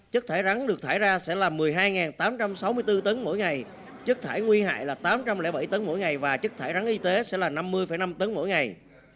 chất thải rắn được thải ra sẽ là một mươi hai tám trăm sáu mươi bốn tấn mỗi ngày chất thải nguy hại là tám trăm linh bảy tấn mỗi ngày và chất thải rắn y tế sẽ là năm mươi năm tấn mỗi ngày